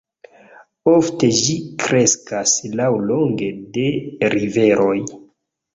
Ofte ĝi kreskas laŭlonge de riveroj.